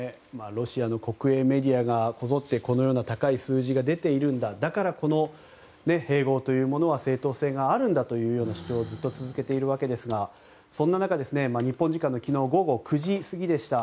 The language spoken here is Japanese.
ロシアの国営メディアがこぞって、このような高い数字が出ているんだだからこの併合というものは正当性があるんだという主張をずっと続けているわけですがそんな中、日本時間昨日午後９時過ぎでした。